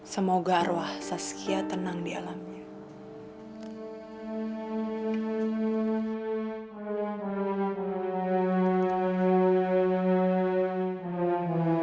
semoga arwah saskia tenang di alamnya